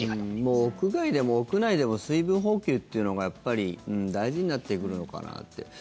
もう屋外でも屋内でも水分補給っていうのがやっぱり大事になってくるのかなって。